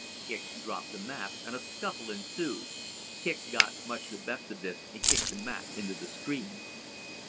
Kicq dropped the map, and a scuffle ensued. Kicq got much the best of this and kicked the map into the stream.